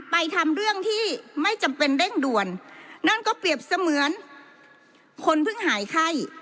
ทำเรื่องที่ไม่จำเป็นเร่งด่วนนั่นก็เปรียบเสมือนคนเพิ่งหายไข้